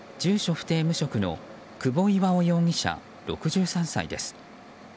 不定・無職の久保巌雄容疑者、６３歳です。